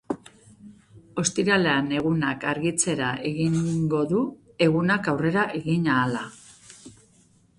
Ostiralean egunak argitzera egingo du egunak aurrera egin ahala.